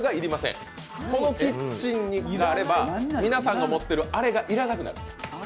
このキッチンであれば、皆さんが持ってるあれが要らなくなる。